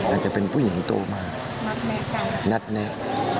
อาจจะเป็นผู้หญิงโตมานัดแนะ